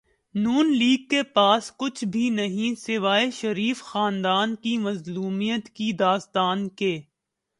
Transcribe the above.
ن لیگ کے پاس کچھ بھی نہیں سوائے شریف خاندان کی مظلومیت کی داستان کے۔